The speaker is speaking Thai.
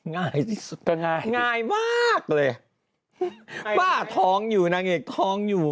ง่ายที่สุดก็ง่ายง่ายมากเลยป้าท้องอยู่นางเอกท้องอยู่